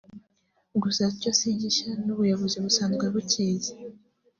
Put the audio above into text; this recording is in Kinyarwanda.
gusa ngo cyo si gishya n’ubuyobozi busanzwe bukizi